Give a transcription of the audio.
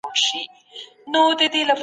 عدالت بايد په هر حال کي تامين سي.